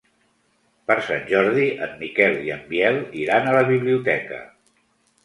Per Sant Jordi en Miquel i en Biel iran a la biblioteca.